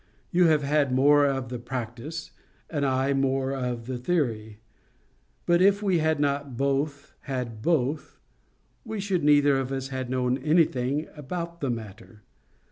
You have had more of the practice, and I more of the theory. But if we had not both had both, we should neither of us have known anything about the matter.